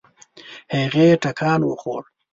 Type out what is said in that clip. هغې ټکان وخوړ.